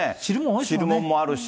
汁もんもあるし。